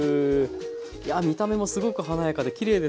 いや見た目もすごく華やかできれいですね。